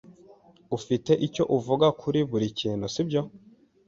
Ufite icyo uvuga kuri buri kintu, sibyo?